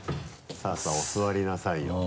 さぁさぁお座りなさいよ。